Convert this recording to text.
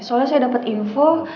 soalnya saya dapet info